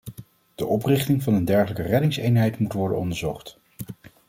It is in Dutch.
De oprichting van een dergelijke reddingseenheid moet worden onderzocht.